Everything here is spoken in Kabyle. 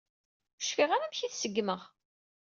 Ur cfiɣ ara amek i t-seggemeɣ.